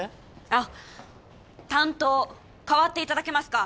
あっ担当代わっていただけますか？